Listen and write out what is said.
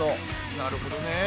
なるほどね。